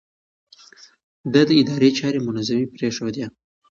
ده د ادارې چارې منظمې پرېښودې.